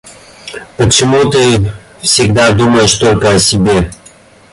Почему ты всегда думаешь только о себе?